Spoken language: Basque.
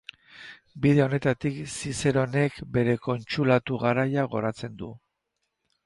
Bide honetatik Zizeronek bere kontsulatu garaia goratzen du.